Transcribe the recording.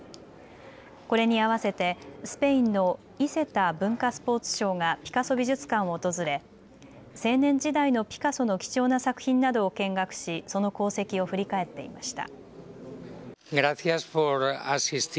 これに合わせてスペインのイセタ文化・スポーツ相がピカソ美術館を訪れ青年時代のピカソの貴重な作品などを見学しその功績を振り返っていました。